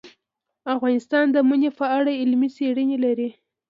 افغانستان د منی په اړه علمي څېړنې لري.